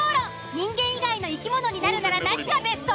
人間以外の生き物になるなら何がベスト？